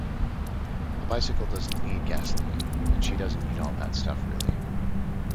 A bicycle doesn't need gasoline and she doesn't need all that stuff really.